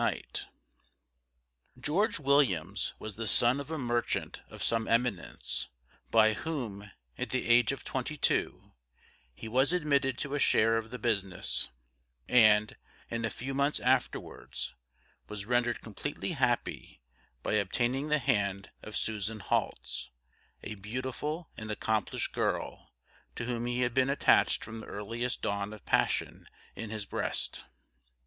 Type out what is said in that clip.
George Williams was the son of a merchant of some eminence, by whom, at the age of twenty two, he was admitted to a share of the business, and, in a few months afterwards, was rendered completely happy by obtaining the hand of Susan Halts, a beautiful and accomplished girl, to whom he had been attached from the earliest dawn of passion in his breast.